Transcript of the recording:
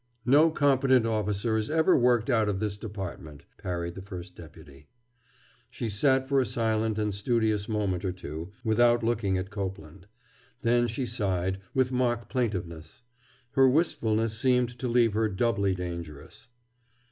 "No competent officer is ever worked out of this Department," parried the First Deputy. She sat for a silent and studious moment or two, without looking at Copeland. Then she sighed, with mock plaintiveness. Her wistfulness seemed to leave her doubly dangerous.